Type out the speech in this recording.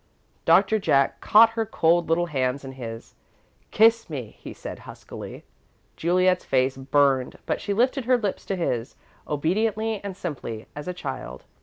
Doctor Jack caught her cold little hands in his. "Kiss me," he said, huskily. Juliet's face burned, but she lifted her lips to his, obediently and simply as a child.